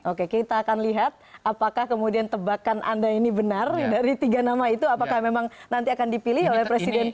oke kita akan lihat apakah kemudian tebakan anda ini benar dari tiga nama itu apakah memang nanti akan dipilih oleh presiden